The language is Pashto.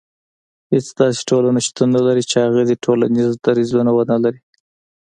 هيڅ داسي ټولنه شتون نه لري چي هغه دي ټولنيز درځونه ونلري